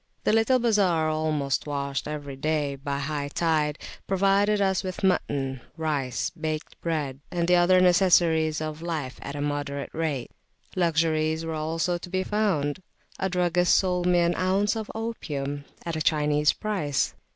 The little bazar, almost washed by every high tide, provided us with mutton, rice, baked bread, and the other necessaries of life at a moderate rate. Luxuries also were to be found: a druggist sold me an ounce of opium at a Chinese price.